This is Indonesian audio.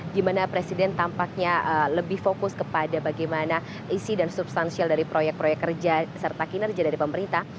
dimana presiden tampaknya lebih fokus kepada bagaimana isi dan substansial dari proyek proyek kerja serta kinerja dari pemerintah